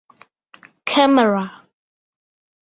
Camera!